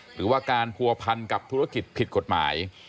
หรือว่าการผัวพันกับธุรกิจผิดกฎหมาย